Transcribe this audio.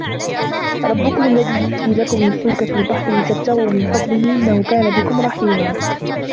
ربكم الذي يزجي لكم الفلك في البحر لتبتغوا من فضله إنه كان بكم رحيما